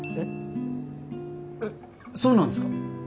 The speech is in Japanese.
えっそうなんですか？